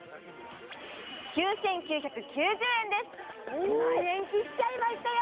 １万円切っちゃいましたよ